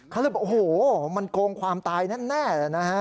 เขาเลยบอกโอ้โหมันโกงความตายแน่นะฮะ